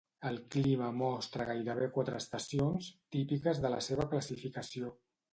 El clima mostra gairebé quatre estacions, típiques de la seva classificació.